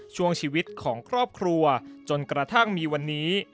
ช่วงชีวิตของครอบครัวจนกระทั่งมีวันนี้